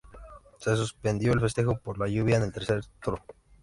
Se suspendió el festejo por la lluvia en el tercer toro.